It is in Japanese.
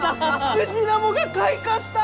ムジナモが開花した！？